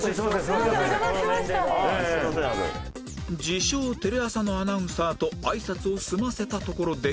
自称テレ朝のアナウンサーと挨拶を済ませたところで